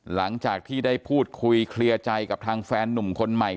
หลังจากที่ได้พูดคุยเคลียร์ใจกับทางแฟนหนุ่มคนใหม่